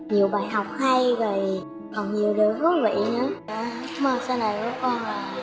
nhiều bài học hay rồi còn nhiều điều thú vị nữa cám ơn xin lỗi của con